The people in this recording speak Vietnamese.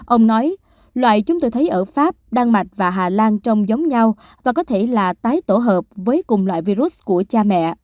ông nói loại chúng tôi thấy ở pháp đan mạch và hà lan trông giống nhau và có thể là tái tổ hợp với cùng loại virus của cha mẹ